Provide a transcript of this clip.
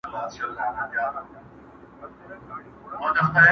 نجلۍ لا هم له سخت درد سره مخ ده او حالت يې خرابېږي.